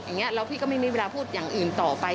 อย่างนี้แล้วพี่ก็ไม่มีเวลาพูดอย่างอื่นต่อไป